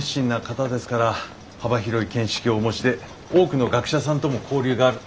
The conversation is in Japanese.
幅広い見識をお持ちで多くの学者さんとも交流がある。